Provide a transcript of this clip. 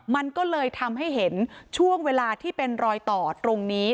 มันก็เลยทำให้เห็นช่วงเวลาที่เป็นรอยต่อตรงนี้